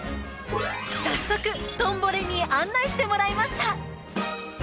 早速「トンボレ」に案内してもらいました